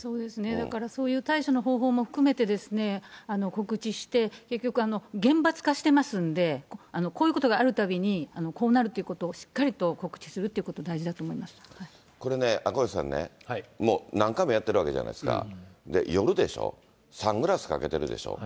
だからそういう対処の方法も含めてですね、告知して、結局、厳罰化してますんで、こういうことがあるたびに、こうなるということをしっかりと告知するってこと、これね、赤星さんね、もう何回もやってるわけじゃないですか、夜でしょ、サングラスかけてるでしょ。